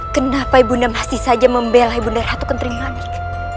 kenapa ibu nda masih saja membelai ibu neratu kenterimanik